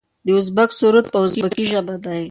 د ازبک سرود په ازبکي ژبه دی.